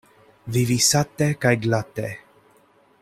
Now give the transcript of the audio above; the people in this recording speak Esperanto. Vivi sate kaj glate.